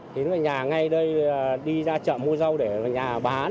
thì nó ở nhà ngay đây đi ra chợ mua rau để ở nhà bán